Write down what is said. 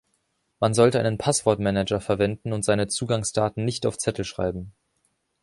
Man sollte einen Passwortmanager verwenden und seine Zugangsdaten nicht auf Zettel schreiben.